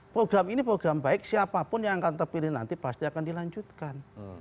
program ini program baik siapapun yang akan terpilih nanti pasti akan dilanjutkan